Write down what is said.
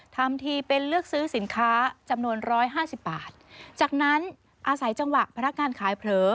ทำทีเป็นเลือกซื้อสินค้าจำนวนร้อยห้าสิบบาทจากนั้นอาศัยจังหวะพนักงานขายเผลอ